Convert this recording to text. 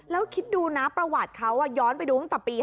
แล้วคิดดูนะประวัติเขาย้อนไปดูตั้งแต่ปี๒๕